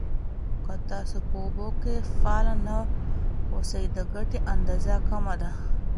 که تاسو په اوبو کې فعال نه اوسئ، د ګټې اندازه کمه ده.